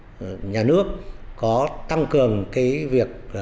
vấn đề thứ hai là gần đây nhà nước có tăng cường cái sản phẩm của chúng ta